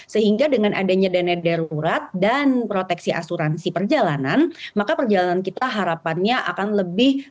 sehingga dengan adanya dana darurat dan proteksi asuransi perjalanan maka perjalanan kita harapannya akan lebih